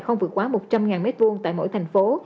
không vượt quá một trăm linh m hai tại mỗi thành phố